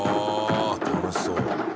楽しそう。